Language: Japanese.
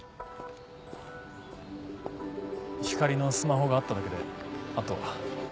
光莉のスマホがあっただけであとは。